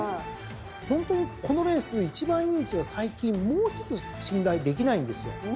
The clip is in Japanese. ホントにこのレース１番人気が最近もうひとつ信頼できないんですよ。